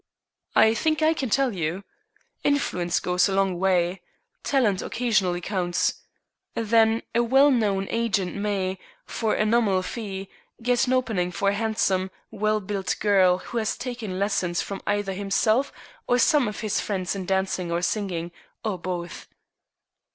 "I think I can tell you. Influence goes a long way. Talent occasionally counts. Then, a well known agent may, for a nominal fee, get an opening for a handsome, well built girl who has taken lessons from either himself or some of his friends in dancing or singing, or both."